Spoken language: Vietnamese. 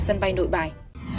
sân bay nội bài